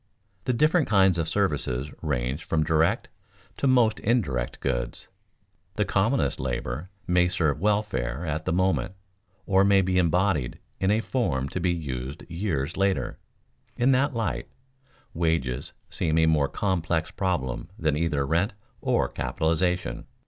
The different kinds of services range from direct to most indirect goods. The commonest labor may serve welfare at the moment or may be embodied in a form to be used years later. In that light, wages seems a more complex problem than either rent or capitalization.